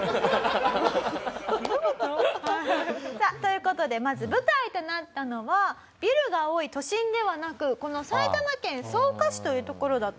さあという事でまず舞台となったのはビルが多い都心ではなくこの埼玉県草加市という所だったんですね。